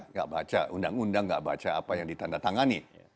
nggak baca undang undang nggak baca apa yang ditandatangani